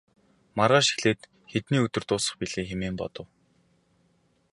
Маргааш эхлээд хэдний өдөр дуусах билээ хэмээн бодов.